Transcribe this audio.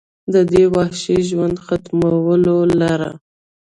د دې وحشي ژوند ختمولو لره